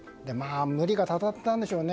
無理がたたったんでしょうね